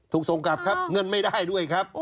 ส่งกลับครับเงินไม่ได้ด้วยครับ